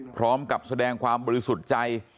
พร้อมกับแสดงความบริสุทธิ์ใจ